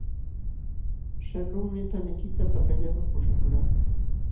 Shaqlunmi paniykita pakallapa puśhakuqlaa.